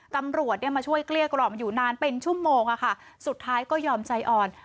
ตำรวจเนี่ยมาช่วยเกลี้ยกล่อมอยู่นานเป็นชั่วโมงค่ะสุดท้ายก็ยอมใจอ่อน